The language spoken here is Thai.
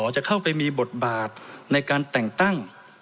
จะเข้าไปมีบทบาทในการแต่งตั้ง